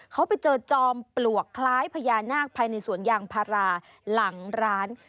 เขาไปเจอจอมปลวกคล้ายภรภญชานยางพาราหลังร้าน